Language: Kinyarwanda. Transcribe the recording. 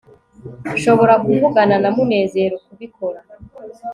nshobora kuvugana na munezero kubikora